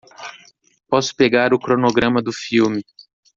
Posso pegar o cronograma do filme